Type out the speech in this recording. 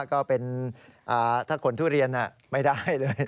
ก็เป็นถ้าขนทุเรียนไม่ได้เลย